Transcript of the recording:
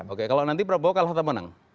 oke kalau nanti berapa kalah atau menang